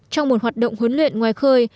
trong một hoạt động huấn luyện ngoài khơi